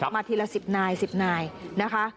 มาทีละ๑๐นายนะคะ